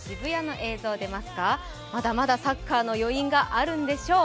まだまだサッカーの余韻があるんでしょう。